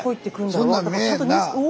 そんなん見えんなあ。